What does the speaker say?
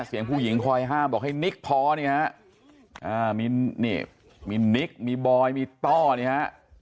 เสียงผู้หญิงคอยห้ามบอกให้นิกพอนี่ฮะมีนี่มีนิกมีบอยมีต้อนี่ฮะ